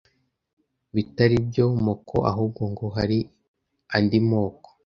bitari byo moko ahubwo ngo hari andi moko